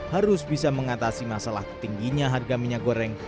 harus bisa mengatasi masalah tingginya harga minyak goreng